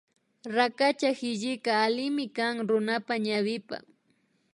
Rakacha hillika allimi kan runapa ñawipa